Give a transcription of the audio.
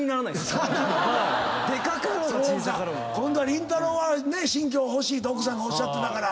りんたろー。は新居欲しいと奥さんがおっしゃってたから。